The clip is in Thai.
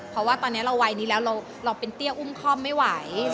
เพราะว่าตอนนี้เราวัยนี้แล้วเราเป็นเตี้ยอุ้มคล่อมไม่ไหว